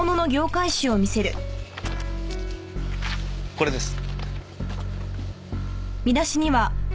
これです。